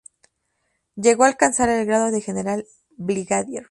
Llegó a alcanzar el grado de general brigadier.